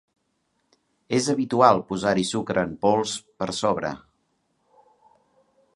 És habitual posar-hi sucre en pols per sobre.